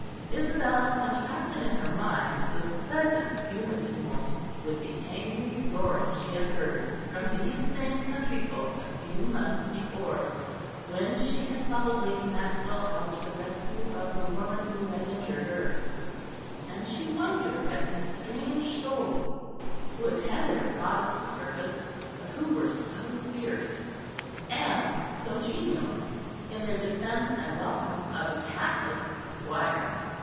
Isabel contrasted in her mind this pleasant human tumult with the angry roaring she had heard from these same country folk a few months before, when she had followed Lady Maxwell out to the rescue of the woman who had injured her; and she wondered at these strange souls, who attended a Protestant service, but were so fierce and so genial in their defence and welcome of a Catholic squire.